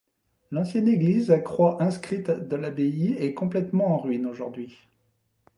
L'ancienne église à croix inscrite de l'abbaye est complètement en ruines aujourd'hui.